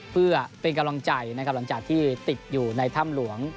เพื่อเป็นกำลังใจนะครับหลังจากที่ติดอยู่ในถ้ำหลวง